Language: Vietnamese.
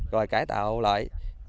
rồi cải tạo lại